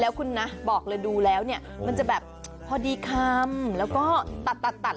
แล้วคุณนะบอกเลยดูแล้วเนี่ยมันจะแบบพอดีคำแล้วก็ตัดตัด